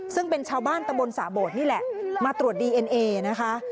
ซึ่งเป็นชาวบ้านตะบนสะโบดนี่แหละมาตรวจดีเอ็นเอนะคะ